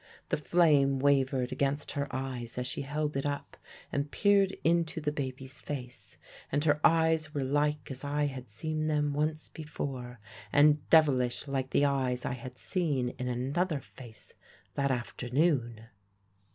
The flame wavered against her eyes as she held it up and peered into the baby's face and her eyes were like as I had seen them once before, and devilish like the eyes I had seen in another face that afternoon.